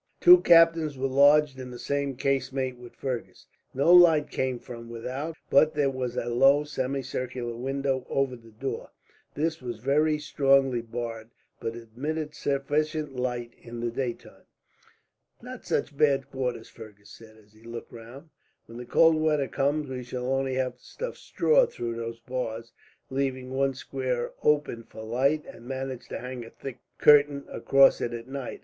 Two captains were lodged in the same casemate with Fergus. No light came from without, but there was a low semicircular window over the door. This was very strongly barred, but admitted sufficient light, in the daytime. "Not such bad quarters," Fergus said, as he looked round. "When the cold weather comes, we shall only have to stuff straw through those bars, leaving one square open for light, and manage to hang a thick curtain across it at night.